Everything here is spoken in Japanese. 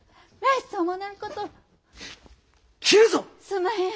すんまへん。